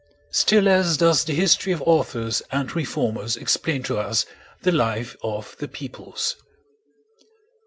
Still less does the history of authors and reformers explain to us the life of the peoples.